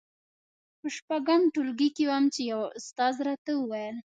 په شپږم ټولګي کې وم چې يوه استاد راته وويل.